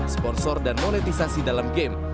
sponsor dan monetisasi dalam game